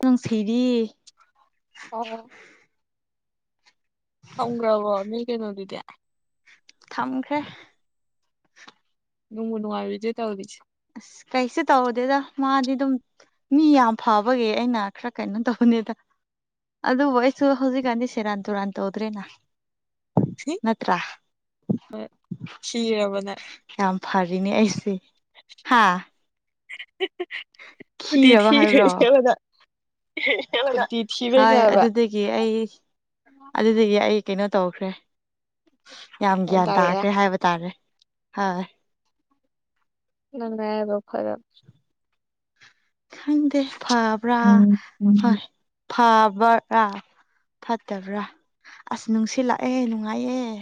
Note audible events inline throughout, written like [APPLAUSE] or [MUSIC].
ꯅꯪ ꯁꯩꯔꯤꯌꯦ [UNINTELLIGIBLE] ꯑꯣ ꯊꯝꯒ꯭ꯔꯥꯕꯣ ꯅꯣꯏ ꯀꯩꯅꯣꯗꯨꯗꯤ ꯊꯝꯈ꯭ꯔꯦ ꯅꯨꯡꯕꯨ ꯅꯨꯡꯉꯥꯏꯕꯤꯗꯦ ꯇꯧꯔꯤꯁꯤ ꯑꯁ ꯀꯩꯁꯨ ꯇꯧꯗꯦꯗ ꯃꯥꯗꯤ ꯑꯗꯨꯝ ꯃꯤ ꯌꯥꯝ ꯐꯕꯒꯤ ꯑꯩꯅ ꯈꯔ ꯀꯩꯅꯣ ꯇꯧꯕꯅꯤꯗ ꯑꯗꯨꯕꯨ ꯑꯩꯁꯨ ꯍꯧꯖꯤꯛꯀꯥꯟꯗꯤ ꯁꯦꯔꯥꯟ ꯇꯨꯔꯥꯟ ꯇꯧꯗ꯭ꯔꯦꯅ ꯅꯠꯇ꯭ꯔꯥ ꯈꯤꯔꯕꯅ ꯀꯌꯥꯝ ꯐꯔꯤꯅꯦ ꯑꯩꯁꯦ ꯍꯥ [UNINTELLIGIBLE] ꯈꯤꯔꯕ ꯍꯥꯏꯕ꯭ꯔꯣ [UNINTELLIGIBLE] ꯈꯨꯇꯤ ꯊꯤꯕꯩꯅꯦ ꯍꯥꯏꯕ ꯒꯤ ꯑꯩ ꯑꯗꯨꯗꯒꯤ ꯑꯩ ꯀꯩꯅꯣ ꯇꯧꯈ꯭ꯔꯦ ꯌꯥꯝ ꯒ꯭ꯌꯥꯟ ꯇꯥꯈ꯭ꯔꯦ ꯍꯥꯏꯕ ꯇꯥꯔꯦ ꯍꯣꯏ ꯅꯪ ꯅꯔꯥꯏꯕꯥꯛ ꯐꯔꯕꯅꯦ ꯈꯪꯗꯦ ꯐꯕ꯭ꯔꯥ ꯎꯝ ꯎꯝ ꯍꯣꯏ ꯐꯕ꯭ꯔꯥ ꯐꯠꯇꯕ꯭ꯔꯥ ꯑꯁ ꯅꯨꯡꯁꯤꯠ ꯂꯥꯛꯑꯦ ꯅꯨꯡꯉꯥꯏꯑꯦ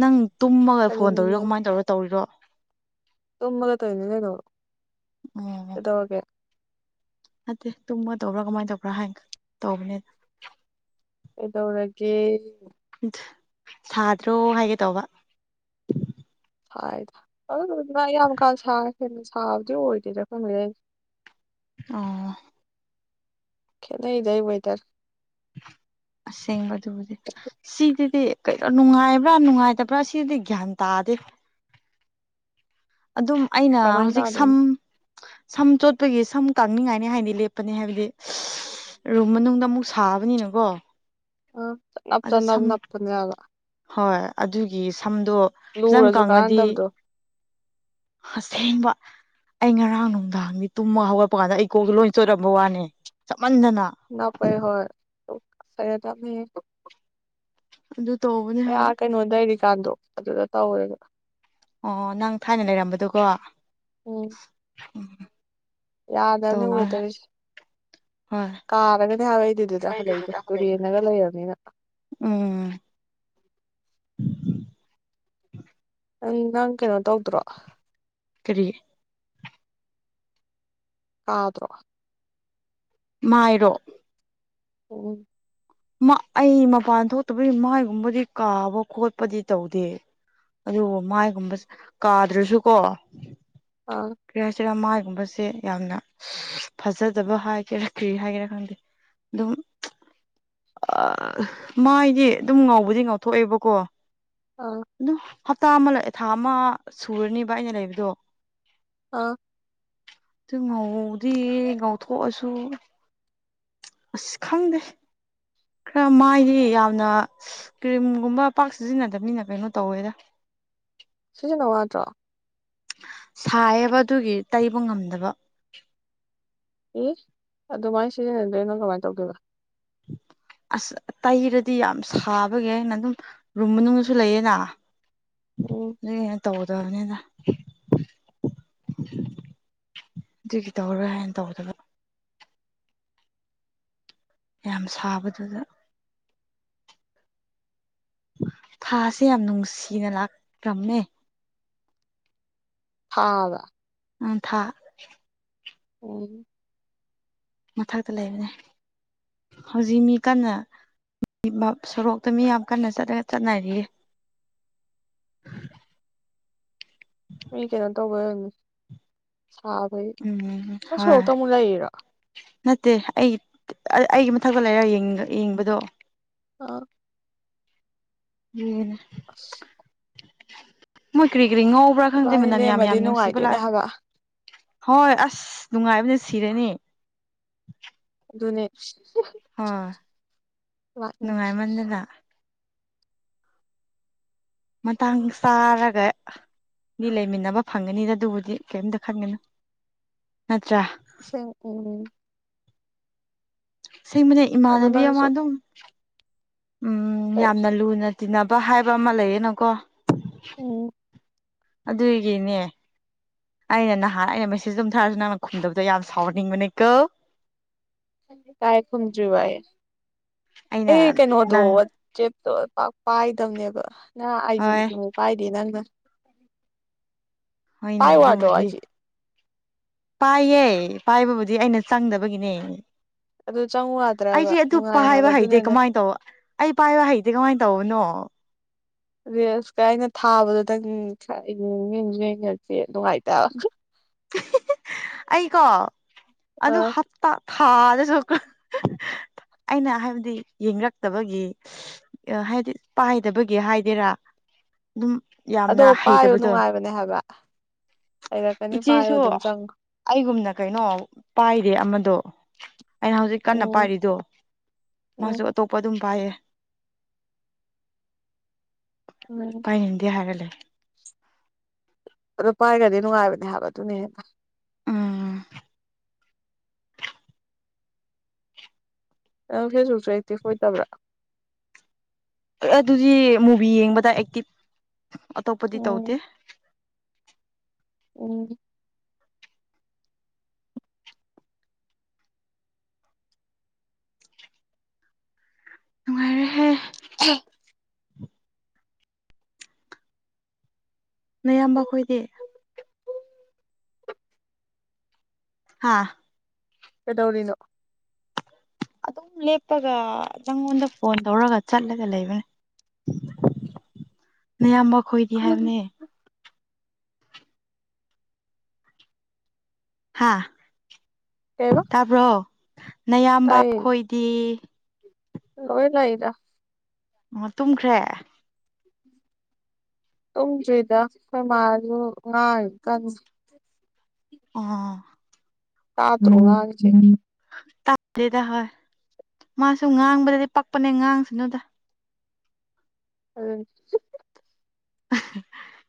ꯅꯪ ꯇꯨꯝꯃꯒ ꯐꯣꯟ ꯐꯔꯦꯅꯦꯅꯦ ꯇꯧꯔꯤꯔꯣ ꯀꯃꯥꯏꯅ ꯇꯧꯔ ꯇꯧꯔꯤꯔꯣ ꯇꯨꯝꯃꯒ ꯇꯣꯏꯅꯤ ꯀꯩꯅꯣ ꯎꯝ ꯇꯣꯛꯑꯒꯦ ꯅꯠꯇꯦ ꯇꯨꯝꯃꯒ ꯇꯧꯕ꯭ꯔꯥ ꯀꯃꯥꯏꯅ ꯇꯧꯕ꯭ꯔꯥ ꯍꯥꯏꯅꯒ ꯇꯧꯕꯅꯦ ꯀꯩꯗꯧꯔꯒꯦ ꯁꯥꯗ꯭ꯔꯣ ꯍꯥꯏꯒꯦ ꯇꯧꯕ ꯁꯥꯏꯗ ꯑꯗꯨꯝ ꯑꯗꯨꯗꯨꯅ ꯑꯌꯥꯝꯕ ꯀꯥꯟ ꯁꯥ ꯍꯦꯟꯅ ꯁꯥꯕꯗꯤ ꯑꯣꯏꯗꯦꯗ ꯑꯀꯣꯟꯕꯗꯩꯗꯤ ꯑꯣ ꯈꯦꯠꯅꯩꯗꯩ ꯋꯦꯗꯔ ꯑꯁꯦꯡꯕ ꯑꯗꯨꯕꯨꯗꯤ ꯁꯤꯗꯗꯤ ꯀꯩꯅꯣ ꯅꯨꯡꯉꯥꯏꯕ꯭ꯔꯥ ꯅꯨꯡꯉꯥꯏꯇꯕ꯭ꯔꯥ ꯁꯤꯗꯤ ꯒ꯭ꯌꯥꯟ ꯇꯥꯗꯦ ꯑꯗꯨꯝ ꯑꯩꯅ ꯀꯃꯥꯏ ꯍꯧꯖꯤꯛ ꯁꯝ ꯇꯥꯗꯣꯏꯅꯣ ꯁꯝ ꯆꯣꯠꯄꯒꯤ ꯁꯝ ꯀꯪꯅꯤꯡꯉꯥꯏꯅꯤ ꯍꯥꯏꯅꯤ ꯂꯦꯞꯄꯅꯤ ꯍꯥꯏꯕꯗꯤ ꯔꯨꯝ ꯃꯅꯨꯡꯗ ꯑꯃꯨꯛ ꯁꯥꯕꯅꯤꯅꯀꯣ ꯑ ꯆꯅꯞ ꯑꯗꯨ ꯆꯅꯞ ꯁꯝ ꯅꯞꯄꯅꯦ ꯍꯥꯏꯕ ꯍꯣꯏ ꯑꯗꯨꯒꯤ ꯁꯝꯗꯣ ꯐꯖꯟ ꯂꯨꯔꯁꯨ ꯀꯪꯉꯗꯤ ꯀꯥꯟꯅꯗꯕꯗꯣ ꯑꯁꯦꯡꯕ ꯑꯩ ꯉꯔꯥꯡ ꯅꯨꯡꯗꯥꯡꯗꯤ ꯇꯨꯝꯃ ꯍꯧꯒꯠꯄ ꯀꯥꯟꯗ ꯑꯩ ꯀꯣꯛꯇꯨ ꯂꯣꯏ ꯆꯣꯏꯠꯔꯝꯕ ꯋꯥꯅꯤ ꯁꯥꯃꯟꯗꯅ ꯅꯞꯄꯩ ꯍꯣꯏ ꯑꯁ ꯍꯩꯅꯗꯕꯅꯤꯍꯦ ꯑꯗꯨ ꯇꯧꯕꯅꯤ ꯑꯩ ꯑꯥ ꯀꯩꯅꯣ ꯂꯩꯔꯤꯀꯥꯟꯗꯣ ꯑꯗꯨꯗ ꯇꯧꯋꯦꯕ ꯑꯣ ꯅꯪ ꯊꯥꯏꯅ ꯂꯩꯔꯝꯕꯗꯨꯀꯣ ꯎꯝ ꯌꯥꯗꯝꯅꯤ ꯋꯦꯗꯔꯁꯦ ꯍꯣꯏ ꯀꯥꯔꯒꯅꯦ ꯍꯥꯏꯕ ꯑꯩꯗꯤ ꯑꯗꯨꯗ ꯍꯜꯂꯛꯏꯗꯣ ꯇꯨꯔꯦꯟꯅꯒ ꯂꯩꯔꯕꯅꯤꯅ ꯎꯝ ꯑꯪ ꯅꯪ ꯀꯩꯅꯣ ꯇꯧꯗ꯭ꯔꯣ ꯀꯔꯤ ꯑꯥꯗ꯭ꯔꯣ ꯃꯥꯏꯔꯣ ꯑꯣꯝ ꯑꯩ ꯃꯄꯥꯟ ꯊꯣꯛꯇꯕꯒꯤ ꯃꯥꯥꯏꯒꯨꯝꯕꯗꯤ ꯀꯥꯕ ꯈꯣꯠꯄꯗꯤ ꯇꯧꯗꯦ ꯑꯗꯨꯕꯨ ꯃꯥꯏꯒꯨꯝꯕ ꯀꯥꯗ꯭ꯔꯁꯨꯀꯣ ꯑꯥ ꯀ꯭ꯔꯤ ꯍꯥꯏꯁꯤꯔꯥ ꯃꯥꯥꯏꯒꯨꯝꯕꯁꯦ ꯌꯥꯝꯅ ꯐꯖꯗꯕ ꯍꯥꯏꯒꯦꯔꯥ ꯀꯔꯤ ꯍꯥꯏꯒꯦꯔꯥ ꯈꯪꯗꯦ ꯑꯗꯨꯝ ꯑ ꯃꯥꯏꯗꯤ ꯑꯗꯨꯝ ꯉꯥꯎꯕꯗꯤ ꯉꯥꯎꯊꯣꯛꯑꯦꯕꯀꯣ ꯑꯥ ꯑꯗꯨꯝ ꯍꯞꯇꯥ ꯑꯃ ꯂꯥꯛꯑꯦ ꯊꯥ ꯑꯃ ꯁꯨꯔꯅꯤꯕ ꯑꯩꯅ ꯂꯩꯕꯗꯣ ꯑꯥ ꯑꯗꯨꯨꯝ ꯉꯥꯎꯗꯤ ꯉꯥꯎꯊꯣꯛꯑꯁꯨ ꯑꯁ ꯈꯪꯗꯦ ꯈꯔ ꯃꯥꯥꯏꯗꯤ ꯌꯥꯝꯅ ꯀ꯭ꯔꯤꯝꯒꯨꯝꯕ ꯄꯥꯛ ꯁꯤꯖꯤꯟꯅꯗꯕꯅꯤꯅ ꯀꯩꯅꯣ ꯇꯧꯋꯦꯗ ꯁꯤꯖꯤꯟꯅꯧ ꯌꯥꯗ꯭ꯔꯣ ꯁꯥꯏꯑꯦꯕ ꯑꯗꯨꯒꯤ ꯇꯩꯕ ꯉꯝꯗꯕ ꯑꯦ ꯑꯗꯨꯃꯥꯏꯅ ꯁꯤꯖꯤꯟꯅꯗꯣꯏ ꯅꯪ ꯀꯃꯥꯏꯅ ꯇꯧꯗꯣꯏꯕ ꯑꯁ ꯇꯩꯔꯗꯤ ꯌꯥꯝ ꯁꯥꯕꯒꯤ ꯑꯩꯅ ꯑꯗꯨꯝ ꯔꯨꯝ ꯃꯅꯨꯡꯗꯁꯨ ꯂꯩꯌꯦꯅꯥ ꯑꯣ ꯑꯗꯨꯒꯤꯅꯦ ꯇꯧꯗꯕꯅꯤꯅ ꯑꯗꯨꯒꯤ ꯇꯧꯔꯔꯣꯏ ꯍꯥꯏꯅ ꯇꯧꯗꯕ ꯌꯥꯝ ꯁꯥꯕꯗꯨꯗ ꯊꯥꯁꯦ ꯌꯥꯝ ꯅꯨꯡꯁꯤꯅ ꯂꯥꯛꯂꯝꯃꯦ ꯊꯥ ꯍꯥꯏꯕ ꯑꯝ ꯊꯥ ꯎꯝ ꯃꯊꯛꯇ ꯂꯩꯕꯅꯦ ꯍꯧꯖꯤꯛ ꯃꯤ ꯀꯟꯅ [INAUDIBLE] ꯁꯣꯔꯣꯛꯇ ꯃꯤ ꯌꯥꯝ ꯀꯟꯅ ꯆꯠꯅ ꯆꯠꯅꯔꯤꯌꯦ ꯃꯤ ꯀꯩꯅꯣ ꯇꯧꯕꯩ ꯑꯣꯏꯔꯝꯅꯤ ꯁꯥꯕꯩ ꯎꯝ ꯅꯪ ꯍꯣꯏ ꯁꯣꯔꯣꯛꯇ ꯑꯃꯨꯛ ꯂꯩꯔꯤꯔꯣ ꯅꯠꯇꯦ ꯑꯩ ꯑꯩꯒꯤ ꯃꯊꯛꯇ ꯂꯩꯔ ꯌꯦꯡꯕꯗꯣ ꯑ [INAUDIBLE] ꯑꯁ ꯃꯣꯏ ꯀꯔꯤ ꯀꯔꯤ ꯉꯧꯕ꯭ꯔꯥ ꯈꯪꯗꯦ ꯏꯕꯥꯅꯤ ꯃꯅꯝ ꯌꯥꯝ ꯂꯩꯔꯝꯃꯗꯤ ꯌꯥꯝ ꯅꯨꯡꯁꯤꯕ ꯅꯨꯡꯉꯥꯏꯗꯣꯏꯅꯦ ꯂꯥꯛꯑꯦ ꯍꯥꯏꯕ ꯍꯣꯏ ꯑꯁ ꯅꯨꯡꯉꯥꯏꯕꯅ ꯁꯤꯔꯅꯤ ꯑꯗꯨꯅꯦ [INAUDIBLE] ꯑ ꯂꯥꯛꯅꯤꯡꯉꯤꯁꯦ ꯅꯨꯡꯉꯥꯏꯃꯟꯗꯅ ꯃꯇꯥꯡ ꯆꯥꯔꯒ ꯃꯤ ꯂꯩꯃꯤꯟꯅꯕ ꯐꯪꯒꯅꯤꯗ ꯑꯗꯨꯕꯨꯗꯤ ꯀꯔꯤꯝꯇ ꯈꯟꯒꯅꯨ ꯅꯠꯇ꯭ꯔꯥ ꯑꯁꯦꯡꯀꯤꯅꯦ ꯑꯁꯦꯡꯕꯅꯦ ꯑꯗꯨ ꯏꯃꯥꯟꯅꯕꯤ ꯑꯃ ꯅꯪꯁꯨ ꯑꯗꯨꯝ ꯎꯝ ꯌꯥꯝꯅ ꯂꯨꯅ ꯇꯤꯟꯅꯕ ꯍꯥꯏꯕ ꯑꯃ ꯂꯩꯌꯦꯅꯀꯣ ꯎꯝ ꯑꯗꯨꯒꯤꯅꯦ ꯑꯩꯅ ꯅꯍꯥꯟ ꯑꯩꯅ ꯃꯦꯁꯦꯖ ꯑꯗꯨꯝ ꯊꯥꯔꯁꯨ ꯅꯪꯅ ꯈꯨꯝꯗꯕꯗꯣ ꯌꯥꯝ ꯁꯥꯎꯅꯤꯡꯕꯅꯤꯀꯣ ꯇꯥꯏꯌꯦ ꯇꯨꯝꯗ꯭ꯔꯤꯕ ꯑꯩ ꯑꯩꯅ ꯑꯩ ꯀꯩꯩꯅꯣꯗꯣ ꯅꯪ ꯆꯦꯞꯇꯣ ꯄꯥꯛ ꯄꯥꯏꯗꯕꯅꯦꯕ ꯅꯪ ꯑꯥꯏꯖꯤ ꯍꯣꯏ ꯑꯃꯨꯛ ꯄꯥꯏꯗꯦ ꯅꯪꯅ ꯍꯣꯏꯅꯦ ꯄꯥꯏ ꯋꯥꯗ꯭ꯔꯣ ꯑꯗꯨꯕꯨꯗꯤ ꯑꯩꯁꯦ ꯄꯥꯏꯌꯦ ꯄꯥꯏꯕꯕꯨꯗꯤ ꯑꯩꯅ ꯆꯪꯗꯕꯒꯤꯅꯦ ꯑꯗꯨ ꯆꯪꯉꯨ ꯌꯥꯗ꯭ꯔꯕ ꯑꯩꯗꯤ ꯑꯗꯨ ꯅꯨꯡꯉꯥꯏ ꯍꯥꯏꯕ ꯄꯥꯏꯕ ꯍꯩꯇꯦ ꯑꯗꯨꯅꯅꯦ ꯀꯃꯥꯏꯅ ꯇꯧꯕ ꯑꯩ ꯄꯥꯏꯕ ꯍꯩꯇꯦ ꯀꯃꯥꯏꯅ ꯇꯧꯕꯅꯣ ꯔꯤꯜꯁꯀ ꯑꯩꯅ ꯊꯥꯕꯗꯣ ꯅꯪ [INAUDIBLE] ꯅꯨꯡꯉꯥꯏꯇꯦꯕ ꯑꯩꯀꯣ ꯑꯗꯨ ꯑꯥ ꯊꯥꯗꯁꯨ ꯑꯩꯅ ꯍꯥꯏꯕꯗꯤ ꯌꯦꯡꯉꯛꯇꯕꯒꯤ ꯍꯥꯏꯗꯤ ꯄꯥꯏꯗꯕꯒꯤ ꯍꯥꯏꯒꯦꯔꯥ ꯑꯗꯨꯝ ꯌꯥ ꯑꯗꯣ ꯄꯥꯏꯌꯣ ꯅꯨꯡꯉꯥꯏꯕꯅꯦ ꯍꯥꯏꯕ ꯍꯥꯏꯔꯛ ꯏꯆꯦꯁꯨ ꯑꯩꯒꯨꯝꯅ ꯀꯩꯅꯣ ꯄꯥꯏꯗꯦ ꯑꯃꯗꯣ ꯑꯩꯅ ꯍꯧꯖꯤꯛ ꯀꯟꯅ ꯎꯝ ꯄꯥꯏꯔꯤꯗꯣ ꯎꯝ ꯃꯥꯁꯨ ꯑꯇꯣꯞꯄ ꯑꯗꯨꯝ ꯄꯥꯏꯌꯦ ꯎꯝ ꯄꯥꯏꯅꯤꯡꯗꯦ ꯍꯥꯏꯔ ꯂꯩ ꯑꯗꯣ ꯄꯥꯏꯈ꯭ꯔꯗꯤ ꯅꯨꯡꯉꯥꯏꯕꯅꯦ ꯍꯥꯏꯕ ꯑꯗꯨꯅ ꯍꯦꯟꯅ ꯎꯝ ꯅꯪ ꯐꯦꯁꯕꯨꯛꯁꯨ ꯑꯦꯛꯇꯤꯞ ꯑꯣꯏꯗꯕ꯭ꯔꯥ ꯑꯗꯨꯗꯤ ꯃꯨꯚꯤ ꯌꯦꯡꯕꯗ ꯑꯦꯛꯇꯤꯞ ꯑꯇꯣꯞꯄꯗꯤ ꯇꯧꯗꯦ ꯎꯝ ꯎꯝ ꯅꯨꯡꯉꯥꯏꯔꯦꯍꯦ [UNINTELLIGIBLE] ꯅꯌꯥꯝꯕ ꯈꯣꯏꯗꯤ ꯍꯥꯥ ꯀꯩꯗꯧꯔꯤꯅꯣ ꯑꯗꯨꯝ ꯂꯦꯞꯄꯒ ꯅꯪꯉꯣꯟꯗ ꯐꯣꯟ ꯇꯧꯔꯒ ꯆꯠꯂꯒ ꯂꯩꯕꯅꯦ [INAUDIBLE] ꯅꯌꯥꯝꯕ ꯈꯣꯏꯗꯤ ꯍꯥꯏꯕꯅꯦ ꯍꯥꯥ ꯀꯩꯕ ꯇꯥꯕ꯭ꯔꯣ ꯅꯌꯥꯝꯕ ꯈꯣꯏꯗꯤ ꯂꯣꯢ ꯂꯩꯗ ꯑꯣ ꯇꯨꯝꯈ꯭ꯔꯦ ꯇꯨꯝꯗ꯭ꯔꯤꯗ ꯑꯩꯈꯣꯏ ꯃꯥꯁꯨ ꯉꯥꯡꯉꯤ ꯀꯥꯟꯅ ꯑꯥ ꯇꯥꯗꯔꯣ ꯉꯥꯡꯉꯤꯁꯦ ꯇꯥꯗꯦꯗ ꯍꯣꯏ ꯃꯥꯁꯨ ꯉꯥꯡꯕꯗꯗꯤ ꯄꯛꯄꯅꯦ ꯉꯥꯡꯁꯨꯅꯨꯗ ꯑꯗꯨꯅꯦ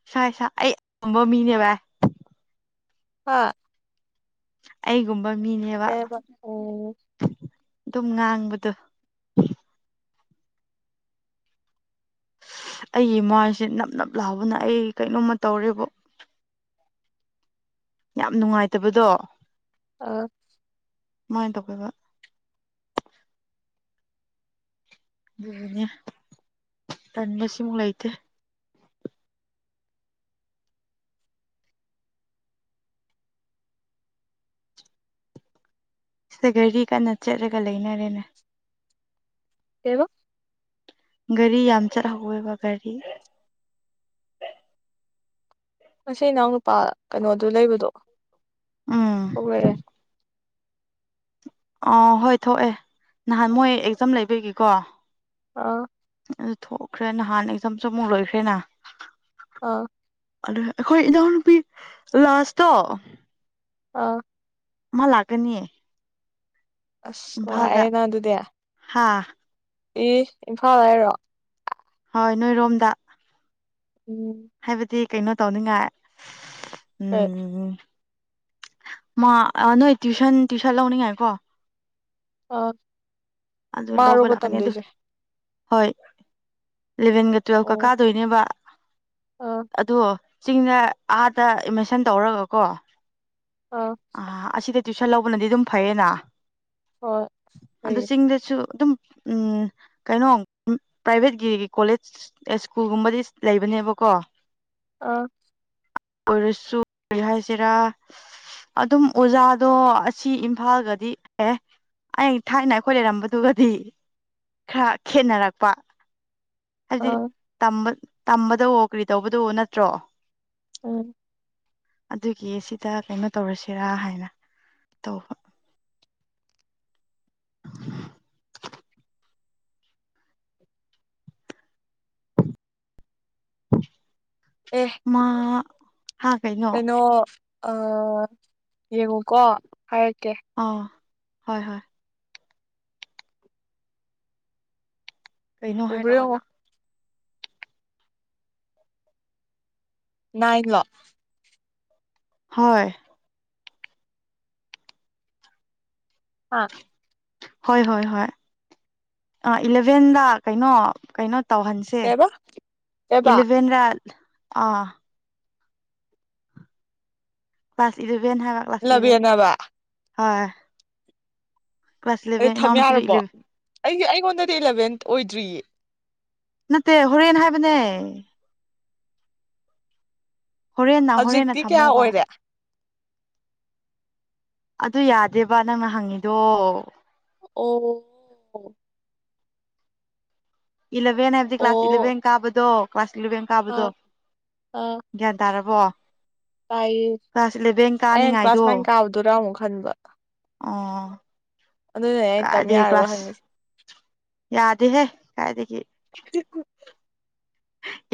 ꯏꯁꯥ ꯏꯁꯥ ꯑꯩ ꯃꯥꯝꯃꯤꯅꯦ ꯚꯥꯢ ꯍꯥ ꯑꯩꯒꯨꯝꯕ ꯃꯤꯅꯦꯕ ꯀꯩꯕ ꯎꯝ ꯑꯗꯨꯝ ꯉꯥꯡꯕꯗꯣ ꯑꯩꯒꯤ ꯃꯥꯏꯁꯦ ꯅꯞ ꯅꯞ ꯂꯥꯎꯕꯅ ꯑꯩ ꯀꯩꯅꯣꯝꯃ ꯇꯧꯔꯦꯕꯣ ꯌꯥꯝ ꯅꯨꯡꯉꯥꯏꯇꯕꯗꯣ ꯑꯥ ꯑꯗꯨꯃꯥꯏꯅ ꯇꯧꯒꯦꯕ ꯑꯩꯅ ꯇꯥꯟꯕ ꯁꯤꯃꯨꯛ ꯂꯩꯇꯦ ꯁꯤꯗ ꯒꯥꯔꯤ ꯀꯟꯅ ꯆꯠꯂꯒ ꯂꯩꯅꯔꯦꯅ‌ꯦꯅ ꯀꯩꯕꯥ ꯒꯥꯔꯤ ꯌꯥꯝ ꯆꯠꯍꯧꯋꯦꯕ ꯒꯥꯔꯤ ꯉꯁꯤ ꯏꯅꯥꯎ ꯅꯨꯄꯥ ꯀꯩꯅꯣꯗꯨ ꯂꯩꯕꯗꯣ ꯎꯝ ꯊꫭꯛꯂꯛꯑ‌ ꯑ ꯍꯣꯏ ꯊꯣꯛꯑꯦ ꯅꯍꯥꯟ ꯃꯣꯏ ꯑꯦꯛꯖꯥꯝ ꯂꯩꯕꯒꯤꯀꯣ ꯑꯥ ꯑꯗꯨ ꯊꯣꯛꯈ꯭ꯔꯦ ꯅꯍꯥꯟ ꯑꯦꯛꯖꯝꯁꯨ ꯑꯃꯨꯛ ꯂꯣꯏꯈ꯭ꯔꯦꯅ ꯑꯥ ꯑꯗꯨꯗ ꯑꯩꯈꯣꯏ ꯏꯅꯥꯎꯅꯨꯄꯤ ꯂꯥꯁꯇꯣ ꯑꯥ ꯃꯥꯥ ꯂꯥꯛꯒꯅꯤ ꯑꯁ ꯅꯨꯉꯥꯏꯔ‌ꯦꯅ ꯑꯗꯨꯗꯦ ꯍꯥꯥ ꯏꯁ ꯏꯝꯐꯥꯜ ꯍꯥꯏꯔꯣ ꯍꯣꯏ ꯅꯣꯏꯔꯣꯝꯗ ꯎꯝ ꯍꯥꯏꯕꯗꯤ ꯀꯩꯅꯣ ꯇꯧꯅꯤꯡꯉꯥꯏ [UNINTELLIGIBLE] ꯎꯝ ꯃꯥ ꯅꯣꯏ ꯇꯨ꯭ꯋꯁꯟ ꯇꯨ꯭ꯋꯁꯟ ꯂꯧꯅꯤꯡꯉꯥꯏꯀꯣ ꯑ ꯑꯗꯨ ꯂꯧꯕ ꯃꯥꯔꫭꯕ ꯂꯥꯛꯀꯅꯤ ꯑꯗꯨ ꯇꯝꯗꯣꯏꯁꯦ ꯍꯣꯏ ꯏꯂꯚꯦꯟꯒ ꯇꯨꯋꯦꯜꯐꯀ ꯑꯣ ꯀꯥꯗꯣꯏꯅꯦꯕ ꯑꯥ ꯑꯗꯣ ꯆꯤꯡꯗ ꯑꯥꯗ ꯑꯦꯠꯃꯦꯁꯟ ꯇꯧꯔꯒ ꯀꯣ ꯑꯥ ꯑꯁꯤꯗ ꯇ꯭ꯋꯏꯁꯟ ꯂꯧꯕꯅꯗꯤ ꯑꯗꯨꯝ ꯐꯩꯌꯦꯅ ꯍꯣꯏ ꯑꯗꯨ ꯐꯩꯌꯦ ꯆꯤꯡꯗ ꯁꯨ ꯑꯗꯨꯝ ꯎꯝ ꯀꯩꯅꯣ ꯄ꯭ꯔꯥꯏꯚꯦꯠꯀꯤ ꯀꯣꯂꯦꯖ ꯏꯁ꯭ꯀꯨꯜꯒꯨꯝꯕꯗꯤ ꯂꯩꯕꯅꯦꯕꯀꯣ ꯑ ꯑꯣꯏꯔꯁꯨ ꯀꯔꯤ ꯍꯥꯏꯁꯤꯔꯥ ꯑꯗꯨꯝ ꯑꯣꯖꯥꯗꯣ ꯑꯁꯤ ꯏꯝꯐꯥꯜꯒꯗꯤ ꯑꯦ ꯑꯩ ꯊꯥꯏꯅ ꯑꯩꯈꯣꯏ ꯂꯩꯔꯝꯕ ꯑꯗꯨꯒꯗꯤ ꯈꯔ ꯈꯦꯠꯅꯔꯛꯄ ꯍꯥꯏꯗꯤ ꯑꯥ ꯇꯝꯕꯗꯋꫭ ꯀꯔꯤ ꯇꯧꯕꯗ ꯅꯠꯇ꯭ꯔꯣ ꯎꯝ ꯑꯗꯨꯒꯤ ꯁꯤꯗ ꯀꯩꯅꯣ ꯇꯧꯔꯁꯤꯔꯥ ꯍꯥꯏꯅ ꯇꯧꯕ [UNINTELLIGIBLE] ꯑꯦ ꯃꯥ ꯀꯩꯅꯣ ꯑꯥ ꯌꯦꯡꯉꯨꯀꯣ ꯍꯥꯏꯔꯛꯀꯦ ꯑꯥ ꯍꯣꯏ ꯍꯣꯏ ꯀꯩꯅꯣ ꯎꯕ꯭ꯔꯥ ꯌꯦꯡꯉꯣ ꯍꯥꯏꯔꯛꯑꯣꯅꯪ ꯏꯥꯟꯂꯣ ꯍꯣꯏ ꯑꯥ ꯍꯣꯏ ꯍꯣꯏ ꯍꯣꯏ ꯑ ꯏꯂꯚꯦꯟꯗ ꯀꯩꯅꯣ ꯀꯩꯅꯣ ꯇꯧꯍꯟꯁꯦ ꯦ ꯀꯩꯕ ꯀꯩꯕ ꯏꯂꯚꯦꯟ ꯔ ꯑ [UNINTELLIGIBLE] ꯀ꯭ꯂꯥꯁ ꯏꯂꯚꯦꯟ ꯍꯥꯏꯕ ꯀ꯭ꯂꯥꯁ ꯏꯂꯚꯦꯟ ꯏꯂꯚꯦꯟꯅꯕ ꯍꯣꯏ ꯀ꯭ꯂꯥꯁ ꯑꯗꯨ ꯏꯂꯚ‌ꯦꯟ ꯊꯝ ꯏꯅꯥꯎ ꯅꯨꯄꯤꯗꯨ ꯌꯥꯔꯕꯣ ꯏꯂ ꯑꯩꯒꯤ ꯑꯩꯉꯣꯟꯗꯗꯤ ꯑꯦꯂꯚꯦꯟ ꯑꯣꯏꯗ꯭ꯔꯤꯌꯦ ꯅꯠꯇꯦ ꯍꯣꯔꯦꯟ ꯍꯥꯏꯕꯅꯦ ꯍꯣꯔꯦꯟꯅ ꯍꯣꯔꯦꯟꯅ ꯍꯧꯖꯤꯛꯇꯤ ꯀꯌꯥ ꯊꯝꯃꯣꯕ ꯑꯣꯏꯔꯦ ꯑꯗꯨ ꯌꯥꯗꯦꯕ ꯅꯪꯅ ꯍꯪꯉꯤꯗꯣ ꯑꯣ ꯏꯂꯚꯦꯟ ꯍꯥꯏꯕꯗꯤ ꯀ꯭ꯂꯥꯁ ꯑꯣ ꯏꯂꯚꯦꯟ ꯀꯥꯕꯗꯣ ꯀ꯭ꯂꯥꯁ ꯏꯂꯚꯦꯟ ꯑ ꯀꯥꯕꯗꯣ ꯒ꯭ꯌꯥꯟ ꯇꯥꯔꯕꯣ ꯀ꯭ꯂꯥꯁ ꯏꯂꯚꯦꯟ ꯇꯥꯢꯑꯦꯑꯩꯅ ꯀ꯭ꯂꯥꯁ ꯀꯥꯅꯤꯡꯉꯥꯏꯗꯣ ꯅꯥꯏꯟ ꯀꯥꯎꯗꯣꯏꯔꯥ ꯑꯃꯨꯛ ꯈꯟꯕ ꯑꯥ ꯑꯗꯨꯅ ꯑꯩ ꯇꯝ ꯌꯥꯔꯕ ꯍꯪꯉꯤꯁꯦ ꯌꯥꯗꯦꯍꯦ ꯀꯥꯏꯗꯒꯤ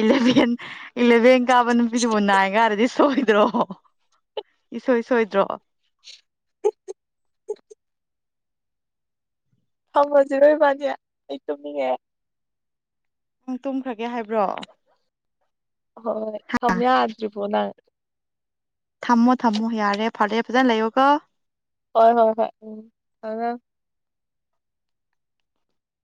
ꯏꯂꯕꯤꯟ ꯏꯂꯕꯤꯟ ꯀꯥꯕ ꯅꯨꯄꯤꯗꯨꯕꯨ ꯅꯥꯢꯒ ꯍꯥꯢꯔꯗꯤ ꯁꯣꯏꯗ꯭ꯔꯣ ꯏꯁꯣꯏ ꯁꯣꯏꯗ꯭ꯔꯣ ꯊꯥꯝꯃꯁꯤꯔ ꯏꯕꯥꯅꯤ ꯑꯩ ꯇꯨꯝꯅꯤꯡꯉꯦ ꯅꯪ ꯇꯨꯝꯈ꯭ꯔꯒꯦ ꯍꯥꯏꯕ꯭ꯔꯣ ꯍꯣꯏ ꯊꯝ ꯌꯥꯗ꯭ꯔꯤꯕꯣ ꯅꯪ ꯊꯝꯃꯣ ꯊꯝꯃꯣ ꯌꯥꯔꯦ ꯐꯔꯦ ꯐꯖꯅ ꯂꯩꯌꯣꯒꯣ ꯍꯣꯏ ꯍꯣꯏ ꯍꯣꯏ ꯎꯝ ꯊꯥꯝꯃꯦ